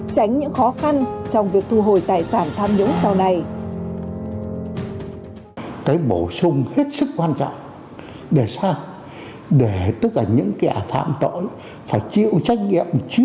tránh những khó khăn trong việc thu hồi tài sản tham nhũng sau này